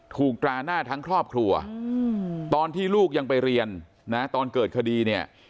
ตราหน้าทั้งครอบครัวตอนที่ลูกยังไปเรียนนะตอนเกิดคดีเนี่ย